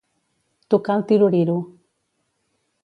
Tocar el Tiroriro.